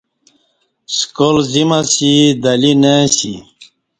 سکال زیم اسی دہ لی نہ اسی